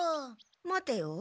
待てよ。